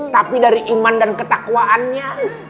tapi dari iman dan ketakwaannya